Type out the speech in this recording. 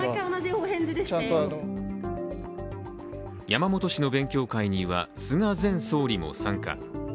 山本氏の勉強会には菅前総理も参加。